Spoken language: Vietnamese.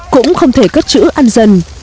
cũng không thể cất chữ ăn dần